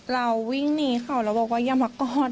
เราวิ่งหนีเขาแล้วบอกว่าอย่ามากอด